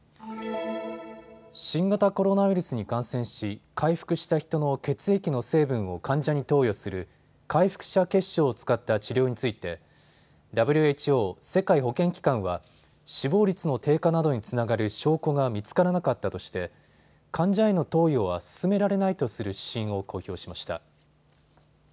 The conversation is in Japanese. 新型コロナウイルスに感染し回復した人の血液の成分を患者に投与する回復者血しょうを使った治療についてＷＨＯ・世界保健機関は死亡率の低下などにつながる証拠が見つからなかったとして患者への投与は勧められないとする指針を公表しました。